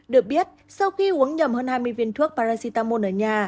được biết sau khi uống nhầm hơn hai mươi viên thuốc paracetamol ở nhà